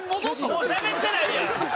もうしゃべってないやん！